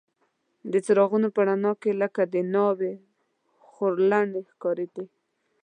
د څراغونو په رڼا کې لکه د ناوې خورلڼې ښکارېدې.